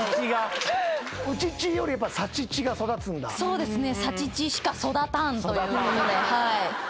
そうですね。